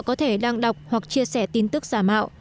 rằng họ có thể đăng đọc hoặc chia sẻ tin tức giả mạo